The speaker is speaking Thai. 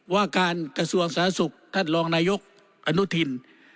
ว่าการกระทรวงสหสุทธิ์ท่านรองนายกอนุทิน